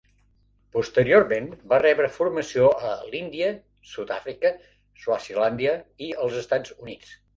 Posteriorment va rebre formació a l'Índia, Sud-àfrica, Swazilàndia i els Estats Units.